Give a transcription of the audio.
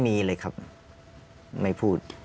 มีเลยครับไม่พูด